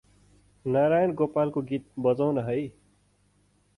नारायण गोपालको गीत बजाउन है ।